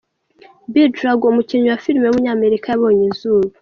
Billy Drago, umukinnyi wa film w’umunyamerika yabonye izuba.